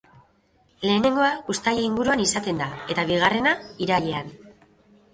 Lehenengoa uztaila inguruan izaten da eta bigarrena irailean.